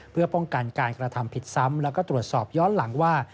เพื่อป้องกันการกระทำผิดซ้ำแล้วก็ตรวจสอบย้อนหลังว่า